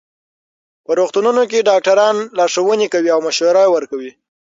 په روغتونونو کې ډاکټران لارښوونې کوي او مشوره ورکوي.